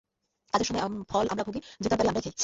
কাজের সময় ফল আমরা ভুগি, জুতার বাড়ি আমরাই খাই।